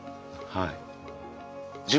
はい。